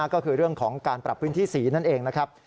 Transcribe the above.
ก็คือเรื่องของการปรับพื้นที่สีนั่นเองนะครับ